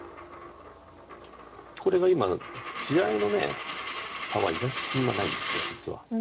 これが今地合いの差は意外とそんなにないんです実は。